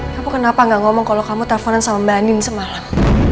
kamu kenapa gak ngomong kalau kamu telponen sama mbak nim semalam